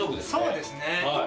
そうですね。